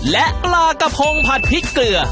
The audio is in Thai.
และปลากระพงผัดพริกเกลือ